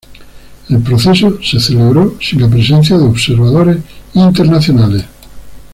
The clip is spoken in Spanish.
El proceso se celebró sin la presencia de observadores internacionales.